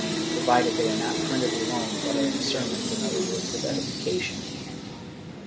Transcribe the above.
IV] THE SCRIPTURES 529 provided they are not printed alone but are in sermons and other works of edification.